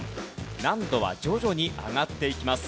難度は徐々に上がっていきます。